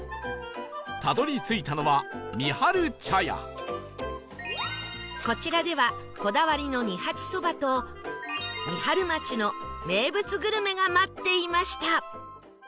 たどり着いたのはこちらではこだわりの二八蕎麦と三春町の名物グルメが待っていました